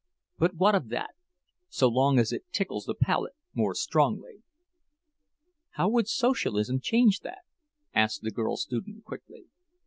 But what of that, so long as it tickles the palate more strongly?" "How would Socialism change that?" asked the girl student, quickly.